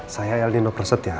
siang pak saya aldino perset ya